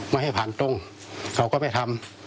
ไม่ให้ผ่านตรงเขาก็ไม่ทำ